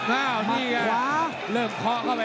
ตามต่อยกที่๓ครับ